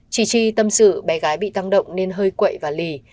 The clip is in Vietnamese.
chỉ chi tâm sự bé gái bị tăng động nên hơi quậy và lì